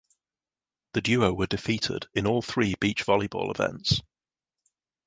The duo were defeated in all three beach volleyball events.